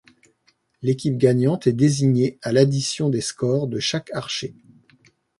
L'équipe gagnante est désigné à l'addition des scores de chaque archer.